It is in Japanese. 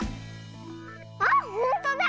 あっほんとだ！